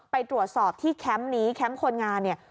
ไปตรวจสอบที่แคมป์นี้แคมป์คนงานเนี่ย